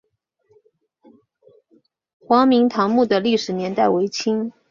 黄明堂墓的历史年代为清。